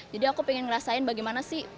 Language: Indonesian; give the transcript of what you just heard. jadi aku ingin ngerasain bagaimana sih